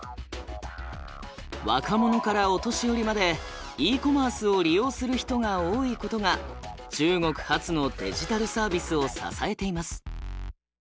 若者からお年寄りまでＥコマースを利用する人が多いことが中国発のデジタルサービスを支えています。